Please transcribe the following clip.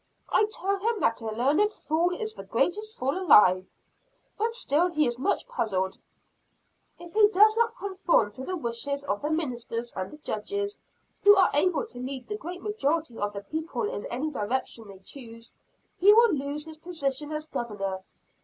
I tell him that a learned fool is the greatest fool alive; but still he is much puzzled. If he does not conform to the wishes of the ministers and the judges, who are able to lead the great majority of the people in any direction they choose, he will lose his position as Governor.